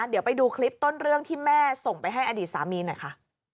เดี๋ยวไปดูคลิปต้นเรื่องที่แม่ส่งไปให้อดีตสามีหน่อยค่ะ